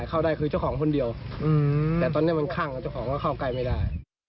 เข้าได้คือเจ้าของคนเดียวแต่ตอนนี้มันข้างกับเจ้าของก็เข้าใกล้ไม่ได้